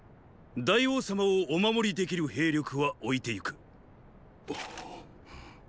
大王様をお守りできる兵力は置いてゆく。